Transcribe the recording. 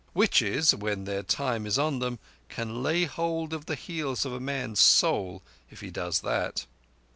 Witches—when their time is on them—can lay hold of the heels of a man's soul if he does that.